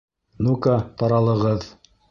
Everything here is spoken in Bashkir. Ну-ка таралығыҙ!